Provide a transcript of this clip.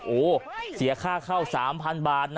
โอ้โหเสียค่าเข้า๓๐๐๐บาทนะ